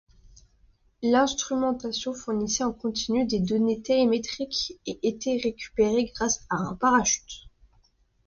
L'instrumentation fournissait en continu des données télémétriques et était récupéré grâce à un parachute.